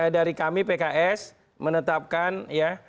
dari kami pks menetapkan ya